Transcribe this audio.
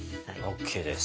ＯＫです。